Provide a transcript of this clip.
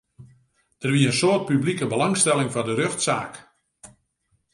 Der wie in soad publike belangstelling foar de rjochtsaak.